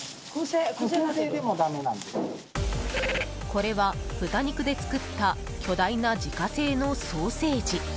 これは豚肉で作った巨大な自家製のソーセージ。